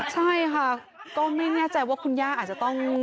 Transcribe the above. ใช่ค่ะก็ไม่แน่ใจว่าคุณย่าอาจจะต้อง